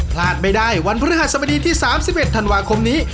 พลาดไม่ได้วันพฤหัสบดีที่๓๑ธันวาคมนี้